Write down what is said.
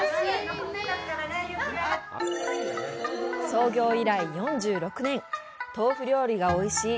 創業以来４６年豆腐料理がおいしい